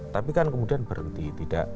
tapi kan kemudian berhenti tidak